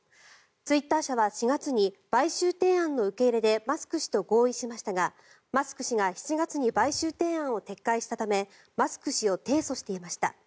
ツイッター社は４月に買収提案の受け入れでマスク氏と合意しましたがマスク氏が７月に買収提案を撤回したためマスク氏を提訴していました。